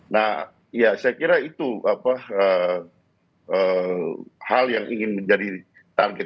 nah ya saya kira itu hal yang ingin menjadi target